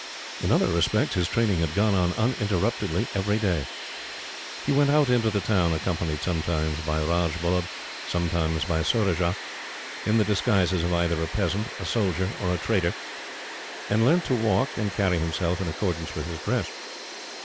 In other respects, his training had gone on uninterruptedly every day. He went out into the town, accompanied sometimes by Rajbullub, sometimes by Surajah, in the disguises of either a peasant, a soldier, or a trader; and learnt to walk, and carry himself, in accordance with his dress.